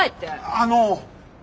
あの。